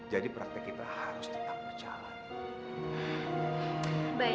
jadi praktek kita harus tetap berjalan